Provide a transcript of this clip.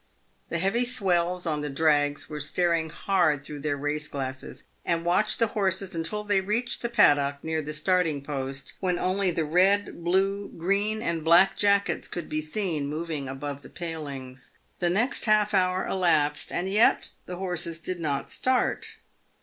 The heavy swells on the drags were staring hard through their race glasses, and watched the horses until they reached the pad dock near the starting post, when only the red, blue, green, and black Jackets could be seen moving above the palings. The next half hour elapsed and yet the horses did not start.